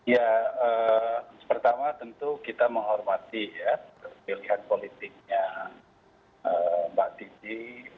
ya pertama tentu kita menghormati ya pilihan politiknya mbak titi